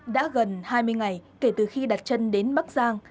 đã gần hai mươi ngày kể từ khi đặt chân đến bắc giang